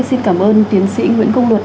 xin cảm ơn tiến sĩ nguyễn cung luật